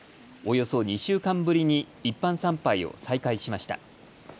およそ２週間ぶりに一般参拝を再開しました。